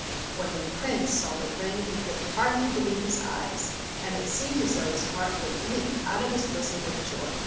When the Prince saw the ring he could hardly believe his eyes, and it seemed as though his heart would leap out of his bosom with joy.